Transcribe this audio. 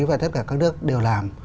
và tất cả các nước đều làm